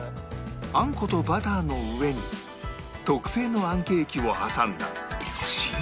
あんことバターの上に特製のあんケーキを挟んだ